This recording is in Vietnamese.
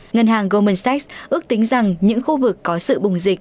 ngân hàng goldman sachs ước tính rằng những khu vực có sự bùng dịch